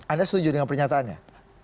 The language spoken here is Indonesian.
anda setuju dengan pernyataannya